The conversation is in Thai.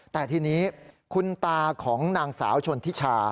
แต่ทีนี้คุณตาของนางสาวชนทิชา